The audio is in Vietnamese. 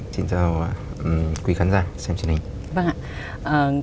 xin chào quý khán giả xem chương trình